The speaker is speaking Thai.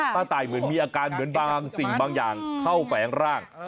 ตายเหมือนมีอาการเหมือนบางสิ่งบางอย่างเข้าแฝงร่าง